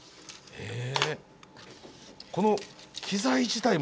へえ。